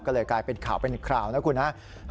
ก็เลยกลายเป็นข่าวเป็นคราวนะครับ